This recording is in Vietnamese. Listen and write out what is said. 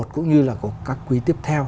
cũng như là của các quý tiếp theo